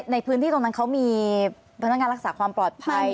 ในพื้นที่ตรงนั้นเขามีพนักงานรักษาความปลอดภัย